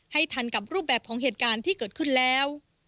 ทันกับรูปแบบของเหตุการณ์ที่เกิดขึ้นแล้ว